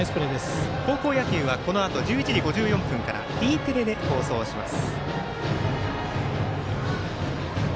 高校野球はこのあと１１時５４分からＥテレで放送します。